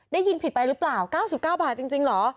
ได้ยินผิดไปหรือเปล่า๙๙บาทจริงเหรอ